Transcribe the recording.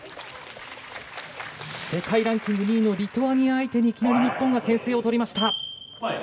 世界ランキング２位のリトアニア相手にいきなり日本が先制をとりました。